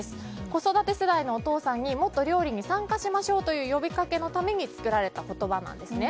子育て世代のお父さんにもっと料理に参加しましょうという呼びかけのために作られた言葉なんですね。